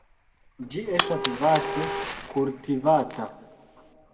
Ĝi estas vaste kultivata.